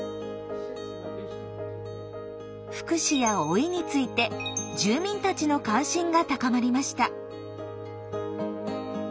「福祉」や「老い」について住民たちの関心が高まりました。